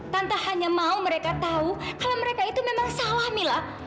tanpa hanya mau mereka tahu kalau mereka itu memang salah mila